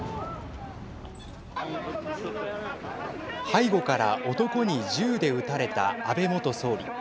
背後から男に銃で撃たれた安倍元総理。